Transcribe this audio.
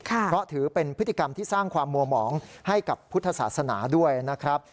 เพราะถือเป็นพฤติกรรมที่สร้างความมัวหมองให้กับพุทธศาสนาด้วยนะครับ